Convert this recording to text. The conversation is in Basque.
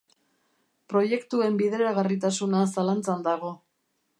Proiektuen bideragarritasuna zalantzan dago.